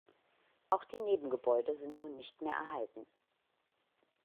Auch die Nebengebäude sind nun nicht mehr erhalten.